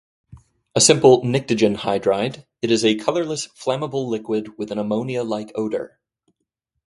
A simple pnictogen hydride, it is a colorless flammable liquid with an ammonia-like odor.